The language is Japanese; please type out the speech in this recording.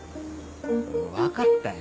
分かったよ。